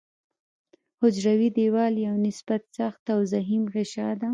حجروي دیوال یو نسبت سخت او ضخیم غشا ده.